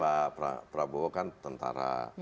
pak prabowo kan tentara